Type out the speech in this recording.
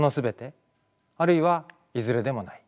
あるいはいずれでもない？